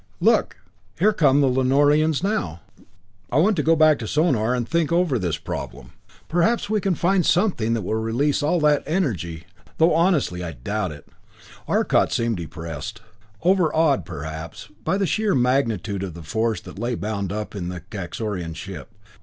"Look there come the Lanorians now. I want to go back to Sonor and think over this problem. Perhaps we can find something that will release all that energy though honestly, I doubt it." Arcot seemed depressed, overawed perhaps, by the sheer magnitude of the force that lay bound up in the Kaxorian ship.